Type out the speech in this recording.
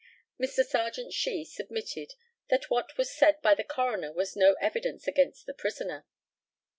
Mr. Serjeant SHEE submitted that what was said by the coroner was no evidence against the prisoner.